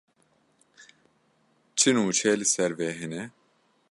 Çi nûçe li ser vê hene.